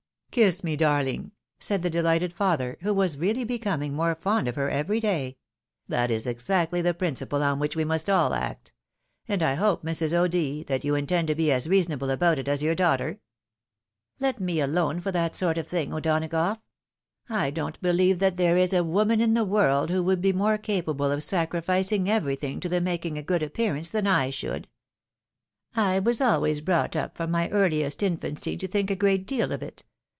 " Kiss me, darling !" said the delighted father, who was really becoming more fond of her every day ;" that is exactly the principle on which we must all act ; and I hope, Mrs. O'D., that you intend to be as reasonable about it as your daughter ?"" Let ine alone for that sort of thing, O'Donagough. I don't beHeve that there is a woman in the world who would be more capable of sacrificing everything to the making a good appearance, than I should. I was always brought up from my earhest infancy to think a great deal of it.